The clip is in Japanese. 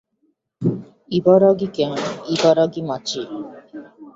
茨城県茨城町